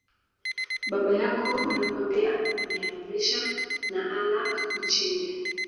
Baba yako anakwambia ameamrishwa na Allah akuchinje